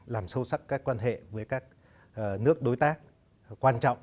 làm sâu sắc các quan hệ với các nước đối tác quan trọng